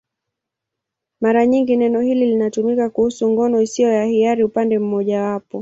Mara nyingi neno hili linatumika kuhusu ngono isiyo ya hiari upande mmojawapo.